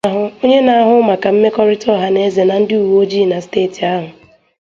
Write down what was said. Onye na-ahụ maka mmekọrịta ọhaneze na ndị uweojii na steeti ahụ